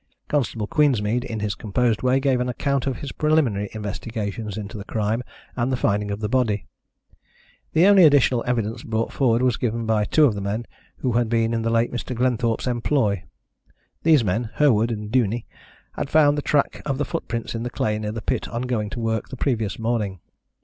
Constable Queensmead, in his composed way, gave an account of his preliminary investigations into the crime, and the finding of the body. The only additional evidence brought forward was given by two of the men who had been in the late Mr. Glenthorpe's employ. These men, Herward and Duney, had found the track of the footprints in the clay near the pit on going to work the previous morning.